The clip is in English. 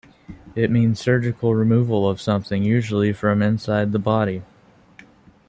It means surgical removal of something, usually from inside the body.